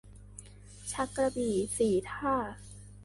ชักกระบี่สี่ท่า